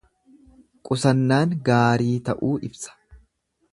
Qusannaan gaarii ta'uu ibsa.